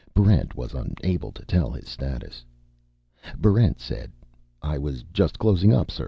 Barrent was unable to tell his status. Barrent said, "I was just closing up, sir.